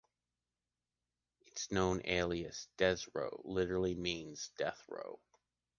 Its known alias, Des-row, literally means “death row”.